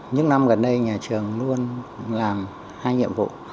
những năm gần đây nhà trường luôn làm hai nhiệm vụ